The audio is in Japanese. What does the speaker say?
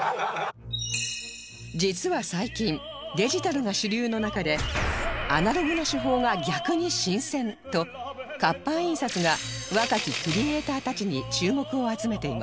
実は最近デジタルが主流の中でアナログの手法が逆に新鮮！と活版印刷が若きクリエイターたちに注目を集めています